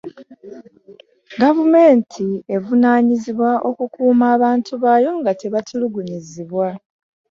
govumenti evunanyizibwa okukuma abantu baayo nga tebatulugunyizibwa